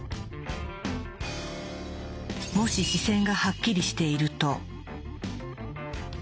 もし視線がハッキリしていると。